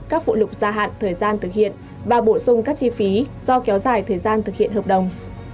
các phụ lục gia hạn thời gian thực hiện và bổ sung các chi phí do kéo dài thời gian thực hiện hợp đồng